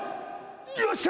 よっしゃ！